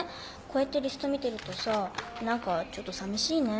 こうやってリスト見てるとさ何かちょっとさみしいね。